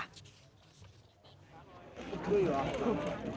คุยเหรอ